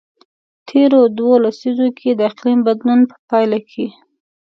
تیرو دوو لسیزو کې د اقلیم د بدلون په پایله کې.